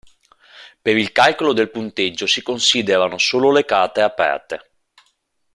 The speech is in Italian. Per il calcolo del punteggio si considerano solo le carte aperte.